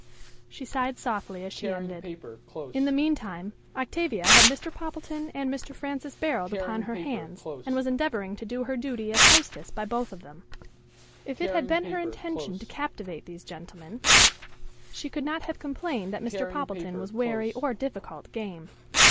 She sighed softly as she ended. In the mean time Octavia had Mr. Poppleton and Mr. Francis Barold upon her hands, and was endeavoring to do her duty as hostess by both of them. If it had been her intention to captivate these gentlemen, she could not have complained that Mr. Poppleton was wary or difficult game.